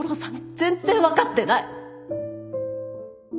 全然分かってない！